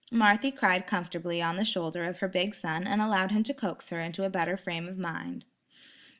Marthy cried comfortably on the shoulder of her big son and allowed him to coax her into a better frame of mind.